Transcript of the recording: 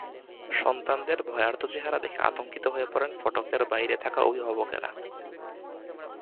সন্তানদের ভয়ার্ত চেহারা দেখে আতঙ্কিত হয়ে পড়েন ফটকের বাইরে থাকা অভিভাবকেরা।